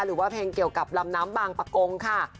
หรือว่าเพลงเกี่ยวกับลำน้ำบางปะโกงค่ะ